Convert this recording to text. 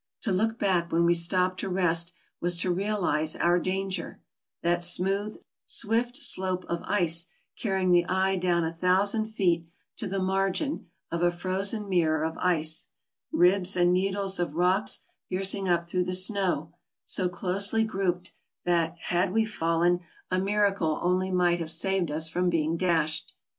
To look back when we stopped to rest was to realize our danger — that smooth, swift slope of ice carrying the eye down a thousand feet to the margin of a frozen mirror of ice ; ribs and needles of rocks piercing up through the snow, AMERICA 109 so closely grouped that, had we fallen, a miracle only might have saved us from being dashed.